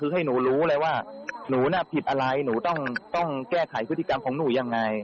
คือให้หนูรู้เลยว่าหนูน่ะผิดอะไรหนูต้องแก้ไขพฤติกรรมของหนูยังไง